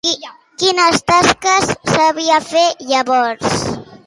Quines tasques sabia fer, llavors?